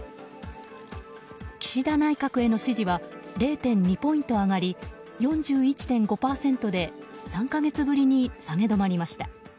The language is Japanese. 岸田内閣への支持は０．２ポイント上がり４１．５％で３か月ぶりに下げ止まりました。